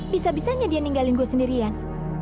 bisa bisanya dia ninggalin gue sendirian